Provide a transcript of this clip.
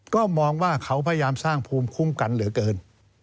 ก็มองว่าเขาพยายามสร้างภูมิคุ้มกันเหลือเกิน